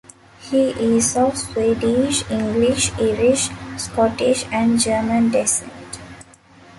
He is of Swedish, English, Irish, Scottish, and German descent.